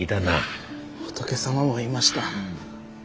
仏様もいました。